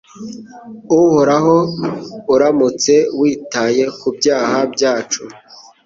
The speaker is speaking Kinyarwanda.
Uhoraho uramutse witaye ku byaha byacu